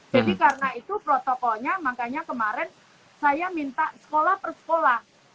jadi karena itu protokolnya makanya kemarin saya minta sekolah per sekolah